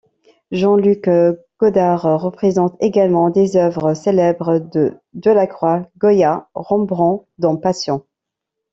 Jean-Luc Godard représente également des œuvres célèbres de Delacroix, Goya, Rembrandt dans Passion.